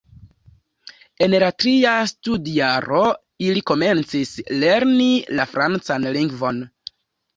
En la tria studjaro ili komencis lerni la francan lingvon.